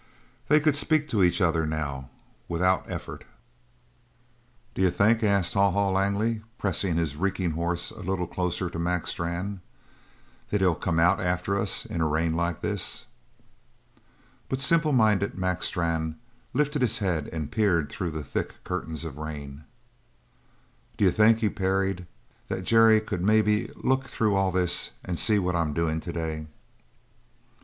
They could speak to each other now without effort. "D'you think," asked Haw Haw Langley, pressing his reeking horse a little closer to Mac Strann, "that he'll come out after us in a rain like this?" But simple minded Mac Strann lifted his head and peered through the thick curtains of rain. "D'you think," he parried, "that Jerry could maybe look through all this and see what I'm doin' to day?"